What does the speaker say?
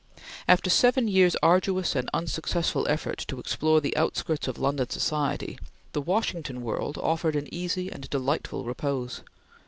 After seven years' arduous and unsuccessful effort to explore the outskirts of London society, the Washington world offered an easy and delightful repose.